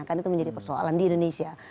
kan itu menjadi persoalan di indonesia